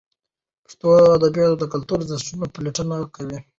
پښتو ادبیات د کلتوري ارزښتونو پلټونه کوي.